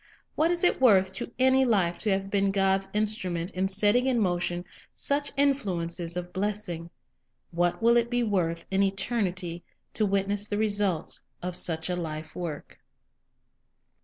What is it worth to any life to have been God's instrument in setting in motion such influences of bless ing? What will it be worth in eternity to witness the results of such a life work?